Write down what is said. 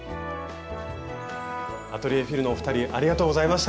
アトリエＦｉｌのお二人ありがとうございました！